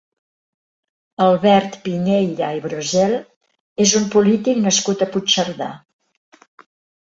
Albert Piñeira i Brosel és un polític nascut a Puigcerdà.